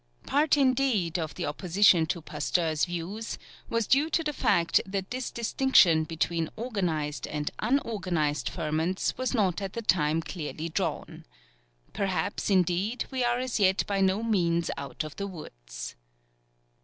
Part, indeed, of the opposition to Pasteur's views was due to the fact that this distinction between organized and unorganized ferments was not at the time clearly drawn. Perhaps, indeed, we are as yet by no means out of the woods.